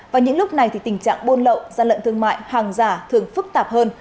và những lúc này tình trạng bôn lậu gian lận thương mại hàng giả thường phức tạp hơn